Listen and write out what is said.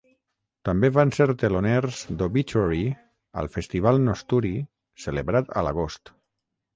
També van ser teloners d'Obituary al festival Nosturi celebrat a l'agost.